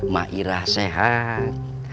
ma ira sehat